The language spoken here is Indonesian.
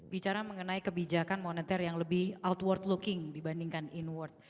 bicara mengenai kebijakan moneter yang lebih outward looking dibandingkan inward